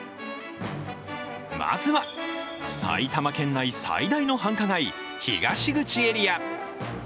まずは、埼玉県内最大の繁華街東口エリア。